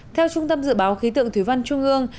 theo trung tâm dự báo khí tượng thủy văn trung ương